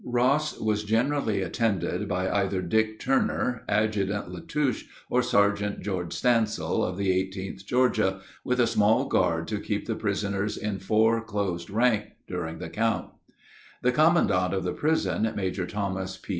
Ross was generally attended by either "Dick" Turner, Adjutant Latouche, or Sergeant George Stansil, of the 18th Georgia, with a small guard to keep the prisoners in four closed ranks during the count. The commandant of the prison, Major Thomas P.